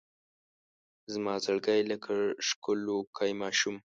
زما زړګی لکه ښکلوکی ماشوم